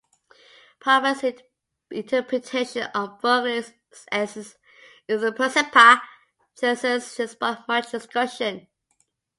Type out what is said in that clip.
Pappas' interpretation of Berkeley's '"esse" is "percipi"' thesis has sparked much discussion.